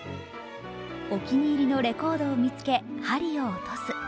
お気に入りのレコードを見つけ針を落とす。